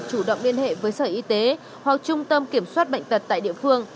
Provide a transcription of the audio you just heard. chủ động liên hệ với sở y tế hoặc trung tâm kiểm soát bệnh tật tại địa phương